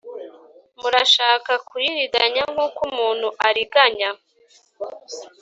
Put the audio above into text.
murashaka kuyiriganya nk uko umuntu ariganya